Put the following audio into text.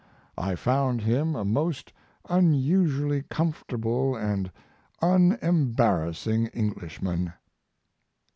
I found him a most unusually comfortable and unembarrassing Englishman.